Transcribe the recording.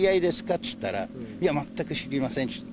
って言ったら、いや、全く知りませんって。